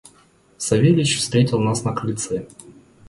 Савельич встретил нас на крыльце.